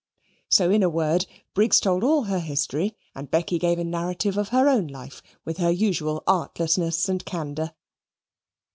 So, in a word, Briggs told all her history, and Becky gave a narrative of her own life, with her usual artlessness and candour.